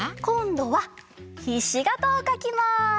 こんどはひしがたをかきます。